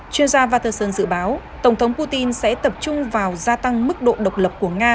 chuyên gia veterson dự báo tổng thống putin sẽ tập trung vào gia tăng mức độ độc lập của nga